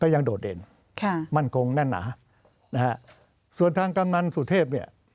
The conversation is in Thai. ก็ยังโดดเด่นค่ะมั่นคงแน่นหนานะฮะส่วนทางกำลังสุทธิพย์เนี้ย